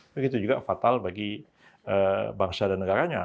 begitu juga fatal bagi bangsa dan negaranya